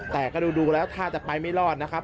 แต่ก็ดูแล้วถ้าจะไปไม่รอดนะครับ